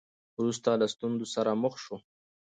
وروسته له ستونزو سره مخ شو.